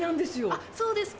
あっそうですか。